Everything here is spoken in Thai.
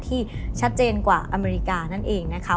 ที่ชัดเจนกว่าอเมริกานั่นเองนะคะ